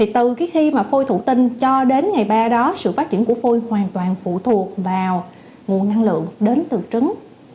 từ khi phôi thủ tinh cho đến ngày ba đó sự phát triển của phôi hoàn toàn phụ thuộc vào nguồn năng lượng đến từ trứng